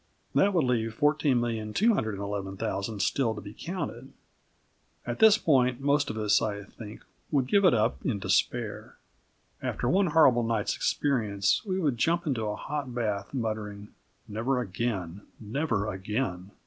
That would leave 14,211,000 still to be counted At this point, most of us, I think, would give it up in despair. After one horrible night's experience, we would jump into a hot bath muttering: "Never again! Never again!"